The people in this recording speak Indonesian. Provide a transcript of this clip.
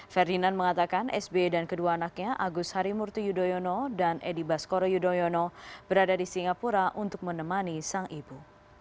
ferdinand mengatakan sbe dan kedua anaknya agus harimurti yudhoyono dan edi baskoro yudhoyono berada di singapura untuk menemani sang ibu